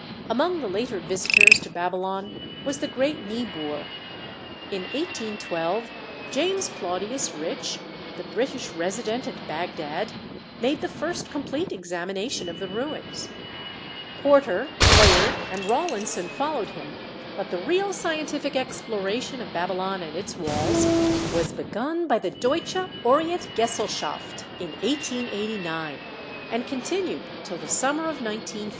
Among the later visitors to Babylon was the great Niebuhr. In 1812, James Claudius Rich, the British Resident at Bagdad, made the first complete examination of the ruins. Porter, Lay ard, and Rawlinson followed him, but the real scientific exploration of Babylon and its walls was 70 THE SEVEN WONDERS begun by the Deutsche Orientgesellschaft, in 1889, and continued till the summer of 191 5.